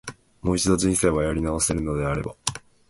もう一度、人生やり直せるのであれば、